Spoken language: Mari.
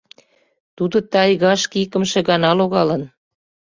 Тудо тайгашке икымше гана логалын.